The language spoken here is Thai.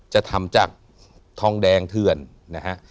จะทำจากทองแดงเถื่อนนะฮะ